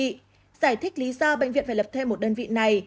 giải thích lý do bệnh viện phải lập thêm một đơn vị này